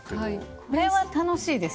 これは楽しいですね。